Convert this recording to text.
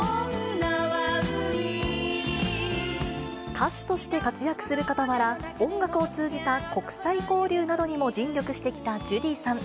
歌手として活躍するかたわら、音楽を通じた国際交流などにも尽力してきたジュディさん。